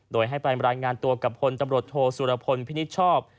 โดยให้ไปรายงานตัวกับพลตำรวจโทสุรพลพินิษฐ์ชอบ